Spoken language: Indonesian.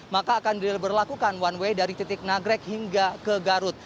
maka akan diberlakukan one way dari titik nagrek hingga ke garut